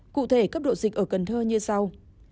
cụ thể cấp độ dịch ở cần thơ như sau